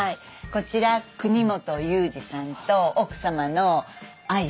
こちら國本ユージさんと奥様の愛さんです。